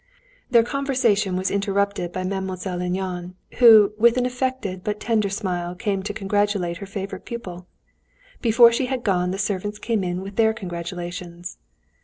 Their conversation was interrupted by Mademoiselle Linon, who with an affected but tender smile came to congratulate her favorite pupil. Before she had gone, the servants came in with their congratulations.